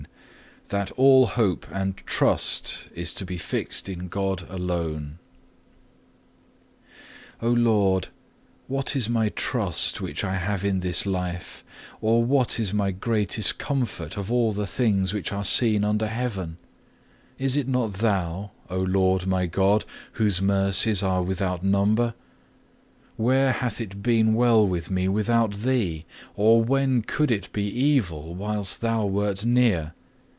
CHAPTER LIX That all hope and trust is to be fixed in God alone O Lord, what is my trust which I have in this life, or what is my greatest comfort of all the things which are seen under Heaven? Is it not Thou, O Lord my God, whose mercies are without number? Where hath it been well with me without Thee? Or when could it be evil whilst Thou wert near?